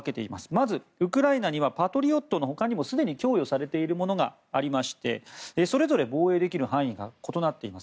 まず、ウクライナにはパトリオットの他にもすでに供与されているものがありましてそれぞれ防衛できる範囲が異なっています。